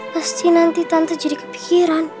pasti nanti tante jadi kepikiran